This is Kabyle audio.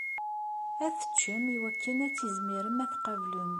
Ad teččem iwakken ad tizmirem ad tqablem.